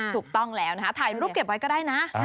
ถูกต้องแล้วนะคะถ่ายรูปเก็บไว้ก็ได้นะ